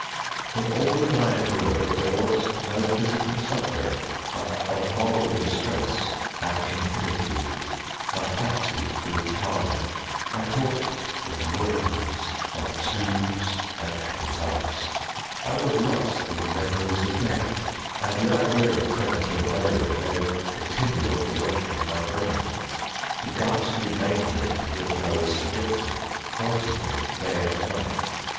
In all that I endured there was no physical suffering but of moral distress an infinitude. My fancy grew charnel, I talked "of worms, of tombs, and epitaphs." I was lost in reveries of death, and the idea of premature burial held continual possession of my brain. The ghastly Danger to which I was subjected haunted me day and night.